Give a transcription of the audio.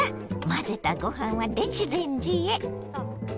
まぜたごはんは電子レンジへ。